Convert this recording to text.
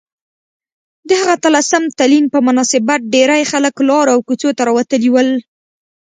د هغه اتلسم تلین په مناسبت ډیرۍ خلک لارو او کوڅو ته راوتلي ول